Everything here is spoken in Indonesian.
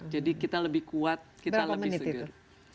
jadi kita lebih kuat kita lebih seger berapa menit itu